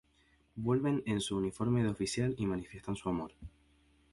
Vuelven en su uniforme de oficial y manifiestan su amor.